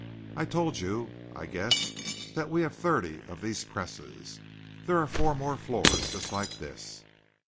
"I told you, I guess, that we have thirty of these presses. There are four more floors just like this."